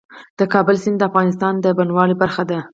د کابل سیند د افغانستان د بڼوالۍ برخه ده.